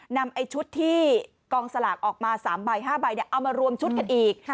ไอ้ชุดที่กองสลากออกมา๓ใบ๕ใบเอามารวมชุดกันอีก